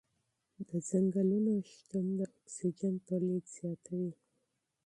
د ځنګلونو موجودیت د اکسیجن تولید زیاتوي.